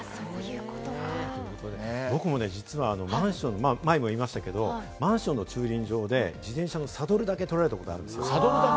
僕もね、実は、前にも言いましたけれども、マンションの駐輪場で自転車のサドルだけ取られたことがあるんです。